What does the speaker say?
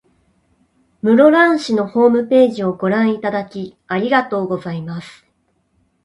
室蘭市のホームページをご覧いただき、ありがとうございます。